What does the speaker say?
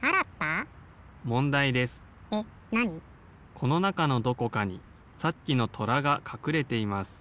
・このなかのどこかにさっきのとらがかくれています。